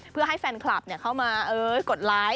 เพื่อให้แฟนคลับเข้ามากดไลค์